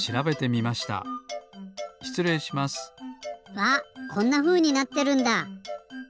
わっこんなふうになってるんだ！